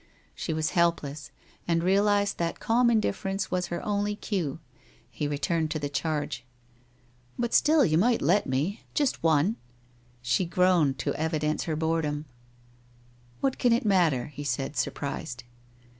She was helpless, and realized that calm indifference was her only cue. He returned to the charge. 1 But still you might let me ! Just one !' She groaned to evidence her boredom. ' What can it matter?' he said, surprised.